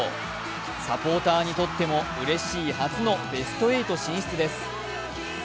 サポーターにとってもうれしい初のベスト８進出です。